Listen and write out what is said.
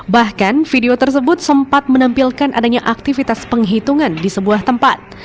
bahkan video tersebut sempat menampilkan adanya aktivitas penghitungan di sebuah tempat